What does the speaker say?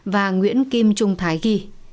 và nguyễn kim trung thái ghi